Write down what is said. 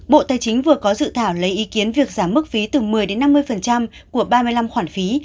bộ tài chính vừa có dự thảo lấy ý kiến việc giảm mức phí từ một mươi năm mươi của ba mươi năm khoản phí